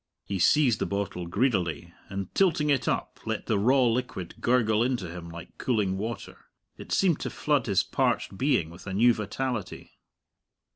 He seized the bottle greedily, and tilting it up, let the raw liquid gurgle into him like cooling water. It seemed to flood his parched being with a new vitality.